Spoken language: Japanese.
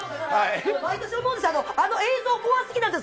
毎年思うんです。